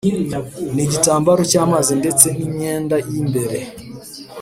nk’igitambaro cy’amazi ndetse n’imyenda y’imbere